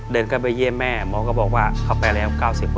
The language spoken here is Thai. เดินเข้าไปเยี่ยมแม่หมอก็บอกว่าเขาไปแล้ว๙๐